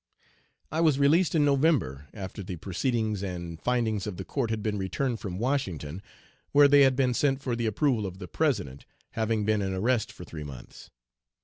"I was released in November, after the proceedings and findings of the court had been returned from Washington, where they had been sent for the approval of the President, having been in arrest for three months.